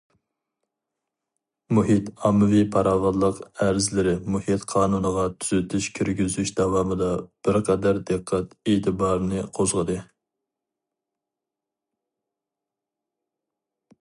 مۇھىت ئاممىۋى پاراۋانلىق ئەرزلىرى مۇھىت قانۇنىغا تۈزىتىش كىرگۈزۈش داۋامىدا بىر قەدەر دىققەت ئېتىبارنى قوزغىدى.